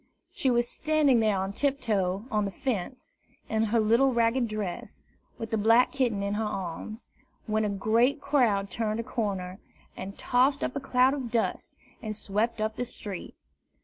She was standing there on tiptoe on the fence, in her little ragged dress, with the black kitten in her arms, when a great crowd turned a corner, and tossed up a cloud of dust, and swept up the street.